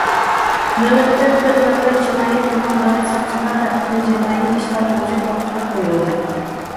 نۆۋەتتە، تۆت نەپەر جىنايەت گۇماندارى ساقچىلار تەرىپىدىن جىنايى ئىشلار بويىچە توختىتىپ قويۇلدى.